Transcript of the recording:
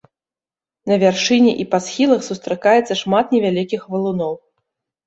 На вяршыні і па схілах сустракаецца шмат невялікіх валуноў.